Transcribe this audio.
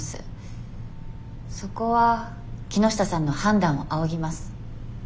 そこは木下さんの判断を仰ぎます。